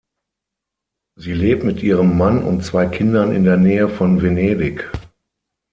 Sie lebt mit ihrem Mann und zwei Kindern in der Nähe von Venedig.